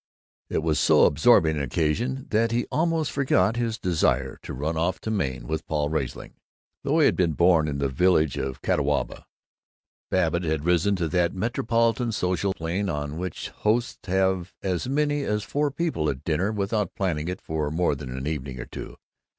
It was so absorbing an occasion that he almost forgot his desire to run off to Maine with Paul Riesling. Though he had been born in the village of Catawba, Babbitt had risen to that metropolitan social plane on which hosts have as many as four people at dinner without planning it for more than an evening or two.